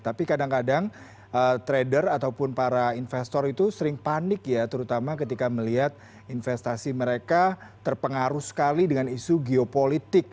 tapi kadang kadang trader ataupun para investor itu sering panik ya terutama ketika melihat investasi mereka terpengaruh sekali dengan isu geopolitik